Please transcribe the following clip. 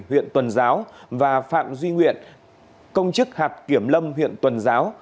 huyện tuần giáo và phạm duy nguyện công chức hạt kiểm lâm huyện tuần giáo